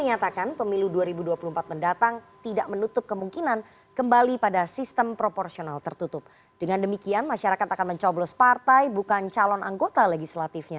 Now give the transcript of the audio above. ada politisi pdi perjuangan bang andria sugoparera